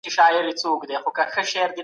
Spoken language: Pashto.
اسلام موږ ته د رښتیني ژوند مانا وښودله.